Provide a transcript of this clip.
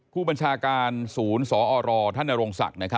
ผู้บัญชาการศูนย์สอรท่านนโรงศักดิ์